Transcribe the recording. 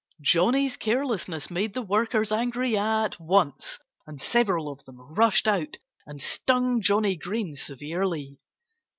Johnnie's carelessness made the workers angry at once. And several of them rushed out and stung Johnnie Green severely.